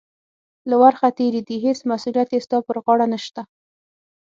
له ورخه تېرې دي، هېڅ مسؤلیت یې ستا پر غاړه نشته.